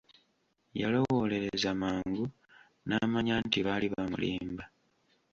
Yalowoolereza mangu n'amanya nti baali bamulimba.